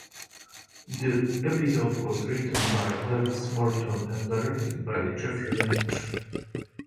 The episode was written by Lewis Morton and directed by Jeffrey Lynch.